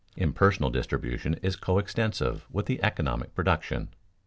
Impersonal distribution is coextensive with economic production.